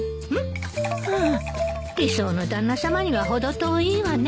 はあ理想の旦那さまには程遠いわね。